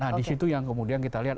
nah disitu yang kemudian kita lihat